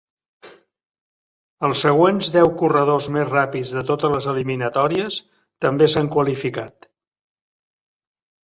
Els següents deu corredors més ràpids de totes les eliminatòries també s"han qualificat.